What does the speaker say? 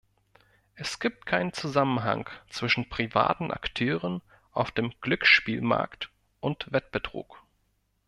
Es gibt keinen Zusammenhang zwischen privaten Akteuren auf dem Glücksspielmarkt und Wettbetrug.